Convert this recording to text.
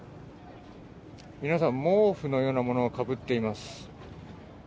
皆さん、毛布のようなものをかぶっています。